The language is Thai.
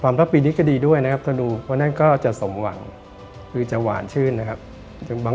รับปีนี้ก็ดีด้วยนะครับถ้าดูเพราะฉะนั้นก็จะสมหวังคือจะหวานชื่นนะครับ